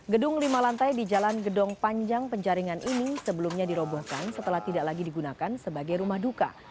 gedung lima lantai di jalan gedong panjang penjaringan ini sebelumnya dirobohkan setelah tidak lagi digunakan sebagai rumah duka